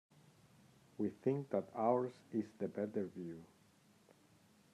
We think that ours is the better view.